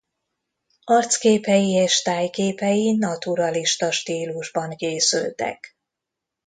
Arcképei és tájképei naturalista stílusban készültek.